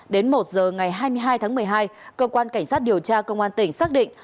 đến một giờ ngày hai mươi hai tháng một mươi hai cơ quan cảnh sát điều tra công an tỉnh xác định